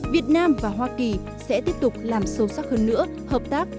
việt nam và hoa kỳ sẽ tiếp tục làm sâu sắc hơn nữa hợp tác